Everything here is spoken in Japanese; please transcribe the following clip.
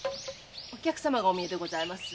お客様がお見えでございます。